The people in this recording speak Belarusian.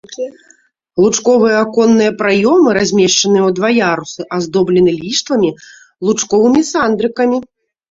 Лучковыя аконныя праёмы размешчаны ў два ярусы, аздоблены ліштвамі, лучковымі сандрыкамі.